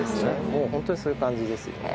もう本当にそういう感じですよね。